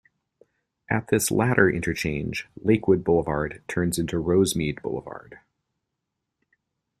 At this latter interchange, Lakewood Boulevard turns into Rosemead Boulevard.